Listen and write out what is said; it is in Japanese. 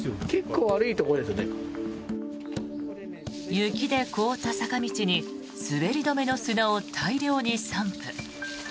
雪で凍った坂道に滑り止めの砂を大量に散布。